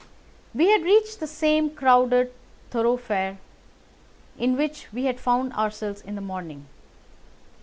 We had reached the same crowded thoroughfare in which we had found ourselves in the morning.